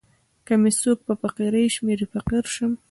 که می څوک په فقیری شمېري فقیر سم.